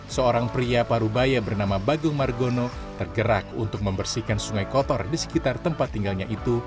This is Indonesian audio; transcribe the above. seorang pria parubaya bernama bagung margono tergerak untuk membersihkan sungai kotor di sekitar tempat tinggalnya itu